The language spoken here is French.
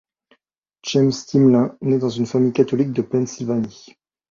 James Timlin naît dans une famille catholique de Pennsylvanie.